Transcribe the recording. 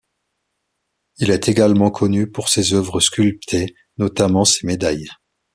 Il est également connu pour ses œuvres sculptées, notamment ses médailles.